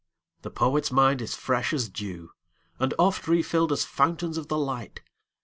The poet's mind is fresh as dew, And oft refilled as fountains of the light.